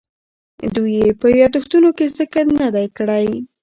دوی یې په یادښتونو کې ذکر نه دی کړی.